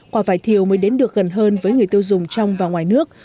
quả vải thiều mới đến được gần hơn với người tiêu dùng trong và ngoài nước